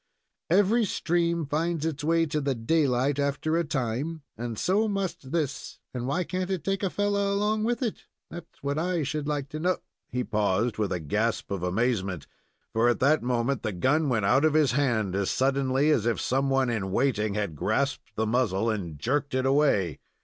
"Every stream finds its way to the daylight after a time, and so must this, and why can't it take a fellow along with it? That's what I should like to know " He paused, with a gasp of amazement, for at that moment the gun went out of his hand as suddenly as if some one in waiting had grasped the muzzle and jerked it away.